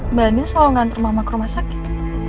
mbak andi selalu nganter mama ke rumah sakit